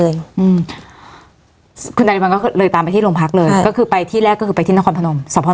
อืมคุณนาริพันธ์ก็เลยตามไปที่โรงพักเลยก็คือไปที่แรกก็คือไปที่นครพนมสะพอ